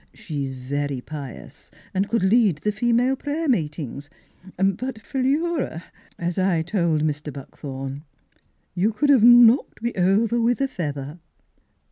She's very pious, and could lead the female prayer meetings ; but Philura — As I told Mr. Buck thorn, you could have knocked me over with a feather